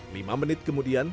lima menit kemudian